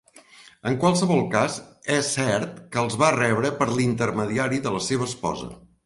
En qualsevol cas, és cert que els va rebre per l'intermediari de la seva esposa.